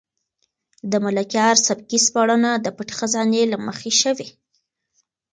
د ملکیار سبکي سپړنه د پټې خزانې له مخې شوې.